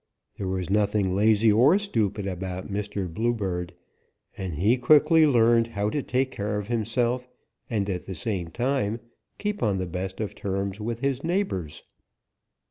There was nothing lazy or stupid about Mr. Bluebird, and he quickly learned how to take care of himself and at the same time to keep on the best of terms with his neighbors.